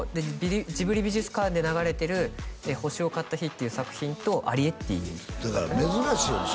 ジブリ美術館で流れてる「星をかった日」っていう作品と「アリエッティ」だから珍しいよね